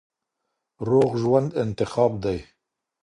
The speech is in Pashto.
روغ ژوند انتخاب دی.